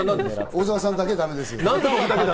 小澤さんだけ、だめです。